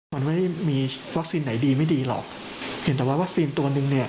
มันไม่ได้มีวัคซีนไหนดีไม่ดีหรอกเพียงแต่ว่าวัคซีนตัวหนึ่งเนี่ย